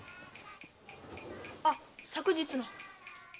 あ昨日の。